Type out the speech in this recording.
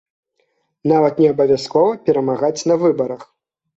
Нават не абавязкова перамагаць на выбарах.